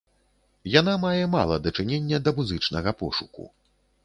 Яна мае мала дачынення да музычнага пошуку.